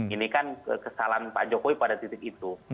ini kan kesalahan pak jokowi pada titik itu